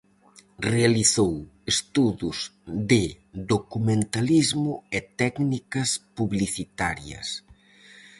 Realizou estudos de documentalismo e técnicas publicitarias.